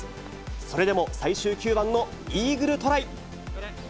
それでも最終９番のイーグルトライ。